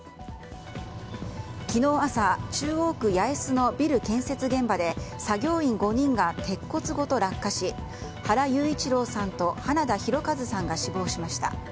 昨日朝、中央区八重洲のビル建設現場で作業員５人が鉄骨ごと落下し原裕一郎さんと花田大和さんが死亡しました。